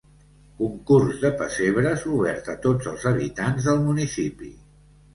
Concurs de pessebres obert a tots els habitants del municipi.